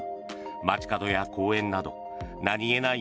街角や公園など何げない